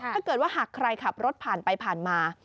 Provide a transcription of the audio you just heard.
ถ้าเกิดว่าหากใครขับรถผ่านไปผ่านมา